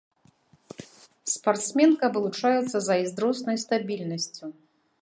Спартсменка вылучаецца зайздроснай стабільнасцю.